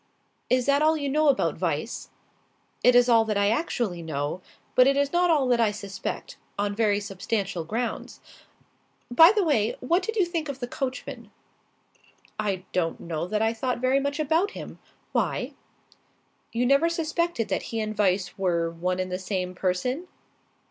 "Is that all you know about Weiss?" "It is all that I actually know; but it is not all that I suspect on very substantial grounds. By the way, what did you think of the coachman?" "I don't know that I thought very much about him. Why?" "You never suspected that he and Weiss were one and the same person?"